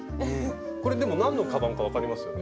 これでも何のカバンか分かりますよね？